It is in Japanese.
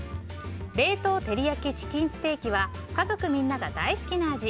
冷凍てりやきチキンステーキは家族みんなが大好きな味。